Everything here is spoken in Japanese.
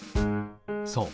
そう。